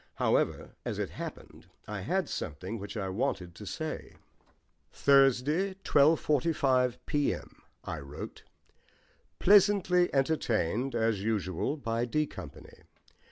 However, as it happened, I had something which I wanted to say. "Thursday, 12.45 p.m.," I wrote. "Pleasantly entertained as usual by D Company.